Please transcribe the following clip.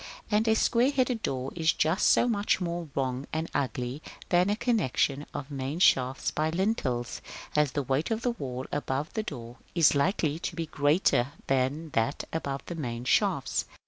And a square headed door is just so much more wrong and ugly than a connexion of main shafts by lintels, as the weight of wall above the door is likely to be greater than that above the main shafts.